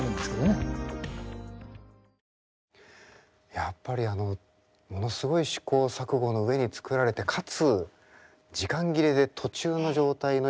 やっぱりあのものすごい試行錯誤の上に作られてかつ時間切れで途中の状態のような感じで発売したと。